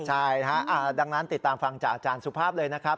ใช่นะฮะดังนั้นติดตามฟังจากอาจารย์สุภาพเลยนะครับ